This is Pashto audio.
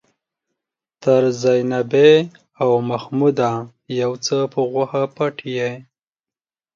تر زينبې او محموده يو څه په غوښه پټ يې.